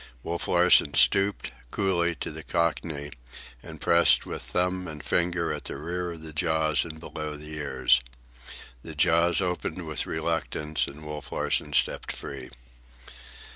Wolf Larsen stooped, coolly, to the Cockney, and pressed with thumb and finger at the rear of the jaws and below the ears. The jaws opened with reluctance, and Wolf Larsen stepped free.